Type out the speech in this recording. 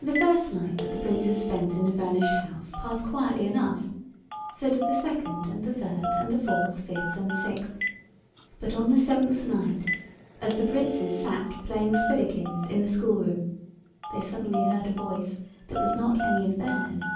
The first night that the Princes spent in the furnished house passed quietly enough, so did the second and the third and the fourth, fifth and sixth, but on the seventh night, as the Princes sat playing spilikins in the schoolroom, they suddenly heard a voice that was not any of theirs.